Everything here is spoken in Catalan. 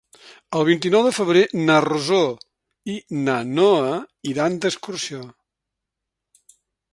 El vint-i-nou de febrer na Rosó i na Noa iran d'excursió.